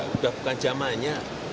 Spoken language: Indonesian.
udah bukan zamannya